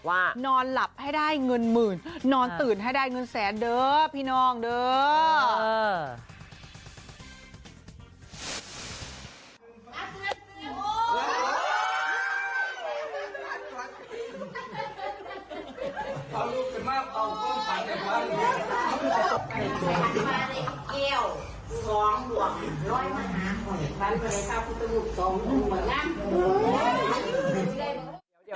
นอนหลับให้ได้เงินหมื่นนอนตื่นให้ได้เงินแสนเด้อพี่น้องเด้อ